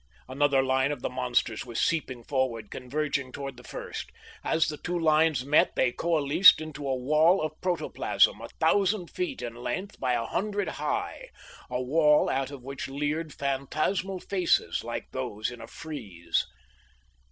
Another line of the monsters was seeping forward, converging toward the first. As the two lines met, they coalesced into a wall of protoplasm, a thousand feet in length by a hundred high. A wall out of which leered phantasmal faces, like those in a frieze.